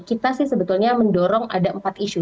kita sih sebetulnya mendorong ada empat isu